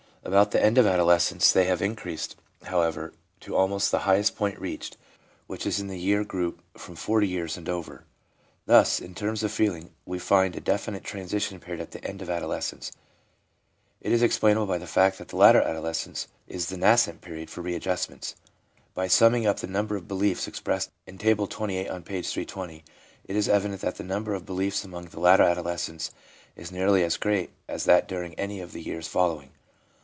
About the end of adolescence they have increased, however, to almost the highest point reached, which is in the year group from 40 years and over. Thus, in terms of feeling, we find a definite transition period at the end of adolescence. It is explainable by the fact that later adolescence is the nascent period for readjustments. By summing up the number of beliefs expressed in Table XXVIII. on p. 320, it is evident that the number of beliefs among the later adolescents is nearly as great as that during any of the years following.